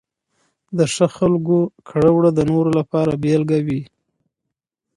د ښه خلکو کړه وړه د نورو لپاره بېلګه وي.